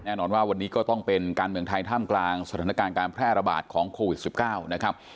แน่นอนว่าวันนี้ก็ต้องเป็นการเมืองไทยท่ามกลางสถานการณ์การแพร่ระบาดของโควิด๑๙นะครับ